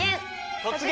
「突撃！